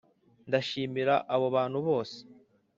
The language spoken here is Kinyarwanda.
ndashimira abo bantu bose